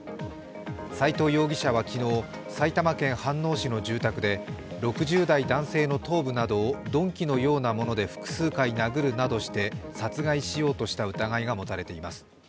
斎藤容疑者は昨日、埼玉県飯能市の住宅で６０代男性の頭部などを鈍器のようなもので複数回なぐるなどして、殺害しようとした疑いが持たれています。